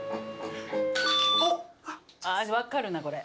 分かるなこれ。